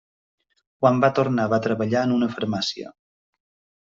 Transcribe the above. Quan va tornar va treballar en una farmàcia.